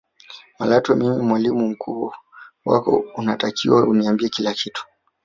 Malatwe mimi mwalimu mkuu wako unatakiwa uniambie kila kitu